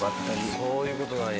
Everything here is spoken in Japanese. そういう事なんや。